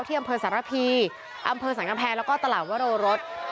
ที่อำเภอสารพีอำเภอสรรคแพงแล้วก็ตลาดวรรดส์